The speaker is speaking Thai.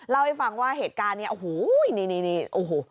เล่าให้ฟังว่าเหตุการณ์นี้โอ้โหนี่นี่โอ้โห